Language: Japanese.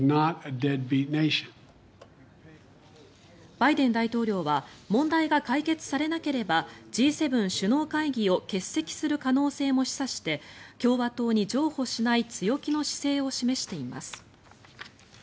バイデン大統領は問題が解決されなければＧ７首脳会議を欠席する可能性も示唆して共和党に譲歩しない強気の姿勢を示しています。